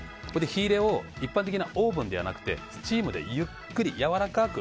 火入れを一般的なオーブンではなくてスチームでゆっくりやわらかく。